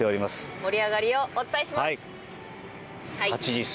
盛り上がりをお伝えします。